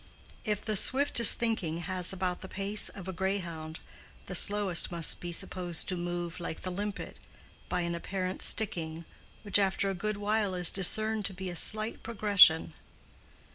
If the swiftest thinking has about the pace of a greyhound, the slowest must be supposed to move, like the limpet, by an apparent sticking, which after a good while is discerned to be a slight progression.